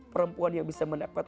perempuan yang bisa menepat kepadanya